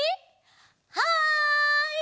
はい！